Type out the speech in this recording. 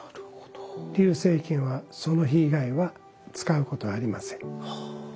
溜精軒はその日以外は使うことはありません。